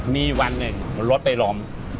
มีวันหนึ่งรถไปล้ม